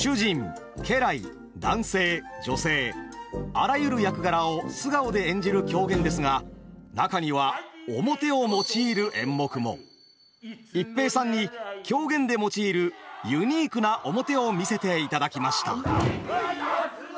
あらゆる役柄を素顔で演じる狂言ですが中には逸平さんに狂言で用いるユニークな面を見せていただきました。